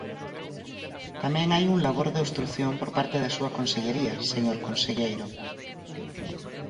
Tamén hai un labor de obstrución por parte da súa consellería, señor conselleiro.